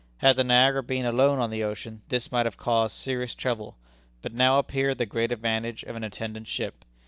Had the Niagara been alone on the ocean, this might have caused serious trouble. But now appeared the great advantage of an attendant ship.